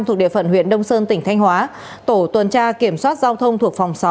thuộc địa phận huyện đông sơn tỉnh thanh hóa tổ tuần tra kiểm soát giao thông thuộc phòng sáu